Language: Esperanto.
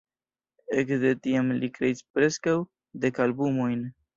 Ekde tiam li kreis preskaŭ dek albumojn.